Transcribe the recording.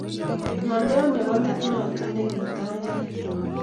Ngolio nebo letnotok ne kitayae